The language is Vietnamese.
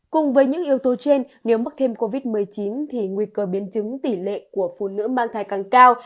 cùng với những yếu tố trên nếu mắc thêm covid một mươi chín thì nguy cơ biến chứng tỷ lệ của phụ nữ mang thai càng cao